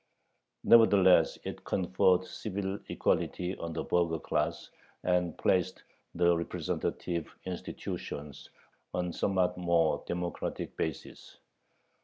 Nevertheless it conferred civil equality on the burgher class, and placed the representative institutions on a somewhat more democratic basis.